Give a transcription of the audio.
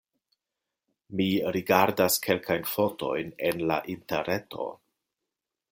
Mi rigardas kelkajn fotojn en la interreto.